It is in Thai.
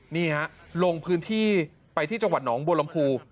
นี่ฮะลงพื้นที่ไปที่จังหวัดหนองบัวลำพู